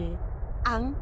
あん？